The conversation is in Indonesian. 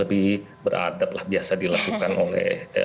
lebih beradab lah biasa dilakukan oleh